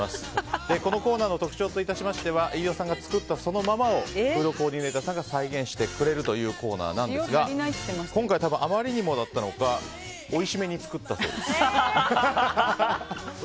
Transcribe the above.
このコーナーの特徴と致しましては飯尾さんが作ったそのままをフードコーディネーターさんが再現してくれるというコーナーなんですが今回、あまりにもだったのかおいしめに作ったそうです。